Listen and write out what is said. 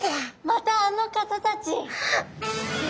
またあの方たち！